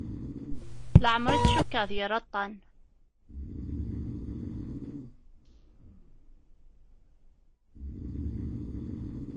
Leɛmer i t-cukkeɣ d yir aṭṭan.